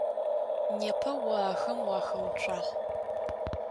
Непэ о ахэм уахэуцуагъ.